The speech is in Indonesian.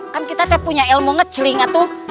kan kita teh punya ilmu ngeceling atu